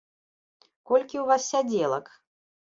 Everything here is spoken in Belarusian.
Колькі ў вас сядзелак?